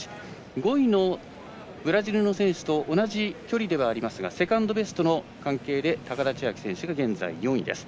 ５位のブラジルの選手と同じ距離ではありますがセカンドベストの関係で高田千明選手が現在４位です。